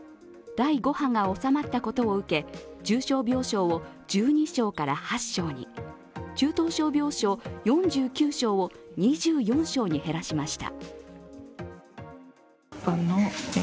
第５波が収まってことを受け、重症病床を１２床から８床に、中等症病床、４９床を２４床に減らしました。